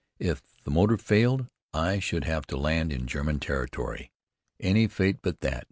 If the motor failed I should have to land in German territory. Any fate but that.